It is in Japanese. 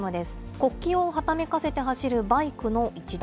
国旗をはためかせて走るバイクの一団。